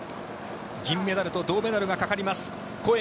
銀メダルと銅メダルがかかります。